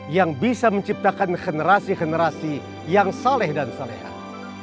yang bisa menciptakan generasi generasi yang soleh dan solehan